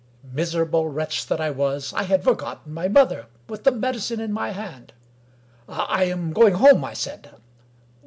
Miserable wretch that I was, I had forgotten my mother — with the medicine in my hand !" I am going home," I said.